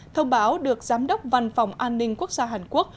thông báo được giám đốc văn phòng an ninh quốc gia hàn quốc